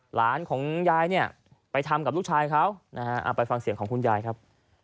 หลานของยายเนี่ยไปทำกับลูกชายเขานะฮะไปฟังเสียงของคุณยายครับ